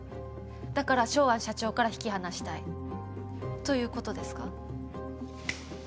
だからショウアン社長から引き離したい。ということですか？